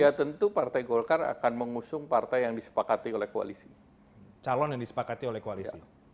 ya tentu partai golkar akan mengusung partai yang disepakati oleh koalisi